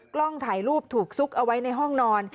กล้องถ่ายรูปถูกซุกเอาไว้ในห้องนอน